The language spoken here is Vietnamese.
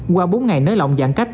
qua bốn ngày nới lỏng giãn cách